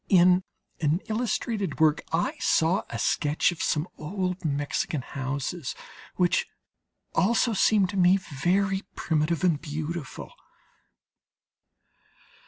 In an illustrated work I saw a sketch of some old Mexican houses which also seemed to me very primitive and beautiful.